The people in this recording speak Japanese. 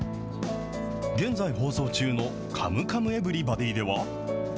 現在放送中のカムカムエヴリバディでは。